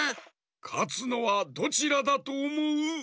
かつのはどちらだとおもう？